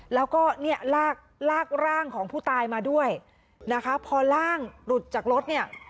แล้วก็เนี่ยลากลากร่างของผู้ตายมาด้วยนะคะพอร่างหลุดจากรถเนี่ย